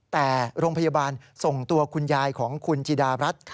แต่โรงพยาบาลส่งตัวคุณยายของคุณจิดารัฐ